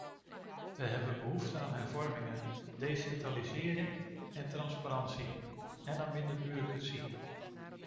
Wij hebben behoefte aan hervormingen, decentralisering en transparantie, en aan minder bureaucratie.